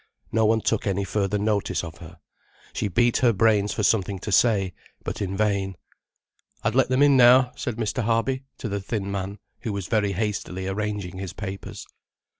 No one took any further notice of her. She beat her brains for something to say, but in vain. "I'd let them in now," said Mr. Harby to the thin man, who was very hastily arranging his papers.